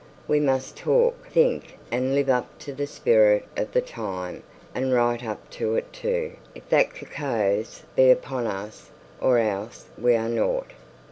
We must talk, think, and live up to the spirit of the times, and write up to it too, if that cacoethes be upon us, or else we are nought.